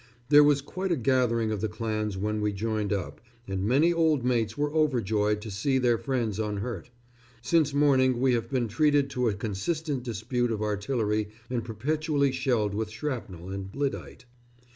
There was quite a gathering of the clans when we joined up, and many old mates were overjoyed to see their friends unhurt. Since morning we have been treated to a consistent dispute of artillery and perpetually shelled with shrapnel and lyddite.